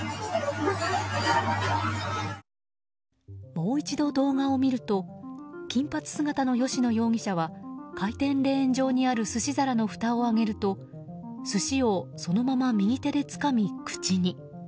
もう一度動画を見ると金髪姿の吉野容疑者は回転レーン上にある寿司皿のふたを上げると寿司をそのまま右手でつかみ口に。